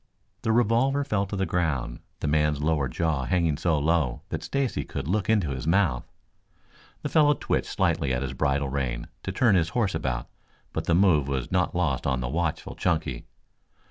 The revolver fell to the ground, the man's lower jaw hanging so low that Stacy could look into his mouth. The fellow twitched slightly at his bridle rein to turn his horse about, but the move was not lost on the watchful Chunky.